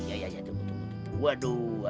ya ya ya tunggu tunggu waduh